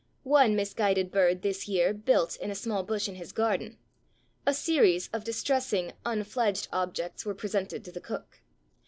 One misguided bird this year built in a small bush in his garden. A series of distressing un fledged objects were presented to the cook.